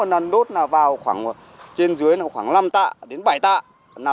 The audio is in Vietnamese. một lần đốt là vào trên dưới khoảng năm tạ đến bảy tạ